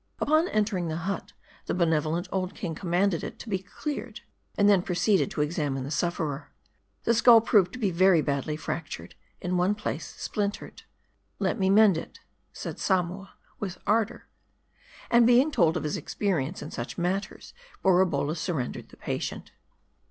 Upon entering the hut, the benevolent old king com manded it to be cleared ; and then proceeded to examine the sufferer. The skull proved to be very badly fractured ; in one place, splintered. " Let me mend it," said Samoa, with ardor. And being told of his experience in such matters, Bora bolla surrendered the patient.